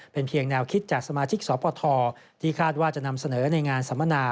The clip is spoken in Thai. เป็นเพียงแนวคิดจากสมาชิกสปทที่คาดว่าจะนำเสนอในงานสัมมนา